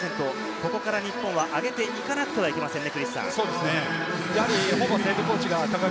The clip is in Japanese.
ここから日本は上げていかなくてはなりませんね。